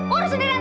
urusin aja anak lu